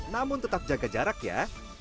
namun tetap jaga jarak ya